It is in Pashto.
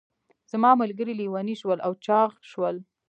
زما ملګري لیوني شول او چاغ شول.